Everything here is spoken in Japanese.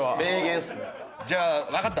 じゃあわかった。